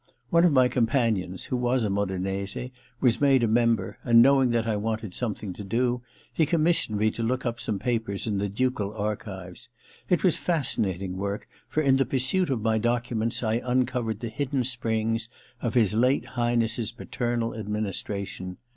One of my com panions, who was a Modenese, was made a member, and knowing that I wanted something to do, he commissioned me to look up some papers in the ducal archives. It was fascinating work, for in the pursuit of my documents I uncovered the hidden springs of his late High nesses paternal administration.